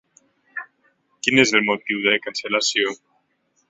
Quin és el motiu de cancel·lació?